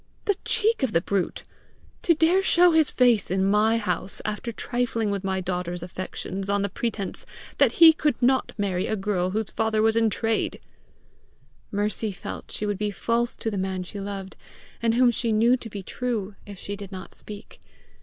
The cheek of the brute! To dare show his face in my house after trifling with my daughter's affections on the pretence that he could not marry a girl whose father was in trade!" Mercy felt she would be false to the man she loved, and whom she knew to be true, if she did not speak.